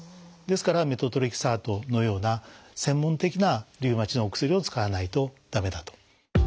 ですからメトトレキサートのような専門的なリウマチのお薬を使わないと駄目だと。